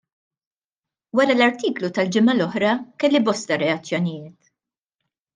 Wara l-artiklu tal-ġimgħa l-oħra, kelli bosta reazzjonijiet.